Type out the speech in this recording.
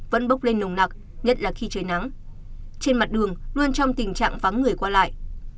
vẫn bốc lên nồng nặc nhất là khi trời nắng trên mặt đường luôn trong tình trạng vắng người qua lại